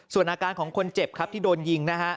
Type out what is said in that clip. ส่วนอาการของคนเจ็บครับที่โดนยิงนะฮะ